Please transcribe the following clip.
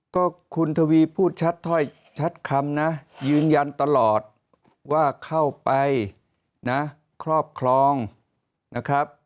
ก็คุณทวีพูดชัดถ้อยชัดคำนะยืนยันตลอดว่าเข้าไปนะครอบครองนะครับ